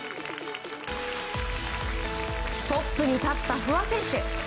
トップに立った不破選手。